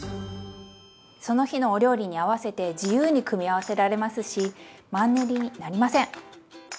その日のお料理に合わせて自由に組み合わせられますしマンネリになりません！